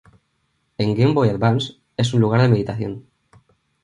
En Game Boy Advance es un lugar de meditación.